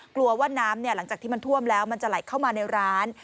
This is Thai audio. กลัวว่าน้ำหลังจากที่มันท่วมแล้วมันจะไหลเข้ามาในร้าน